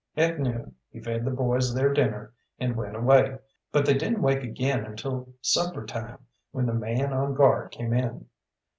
At noon he fed the boys their dinner and went away, but they didn't wake again until supper time, when the man on guard came in.